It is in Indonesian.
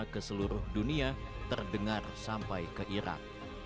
ke seluruh dunia terdengar sampai ke irak